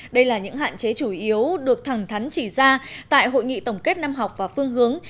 đây là những hạn chế chủ yếu được thẳng thắn chỉ ra tại hội nghị tổng kết năm học và phương hướng